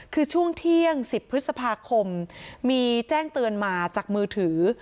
คือช่วงเที่ยง๑๐พฤษภาคมมีแจ้งเตือนมาจากมือถือ